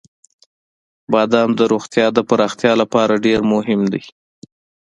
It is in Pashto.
• بادام د روغتیا د پراختیا لپاره ډېر مهم دی.